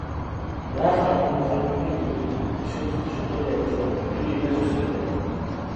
Яах аргагүй Галдангийн дэргэд тэгш өнцөгт чулууны хажууд өндөр гэгээн зогсож байв.